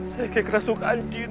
saya kayak keras suka anjit